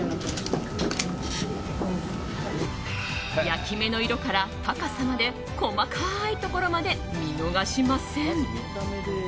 焼き目の色から高さまで細かいところまで見逃しません。